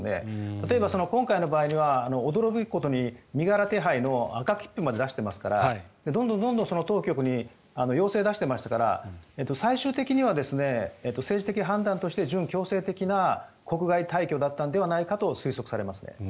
例えば、今回の場合には驚くべきことに身柄手配の赤切符まで出していますからどんどん当局に要請を出していましたから最終的には政治的判断として準強制的な国外退去だったのではないかと推測されますね。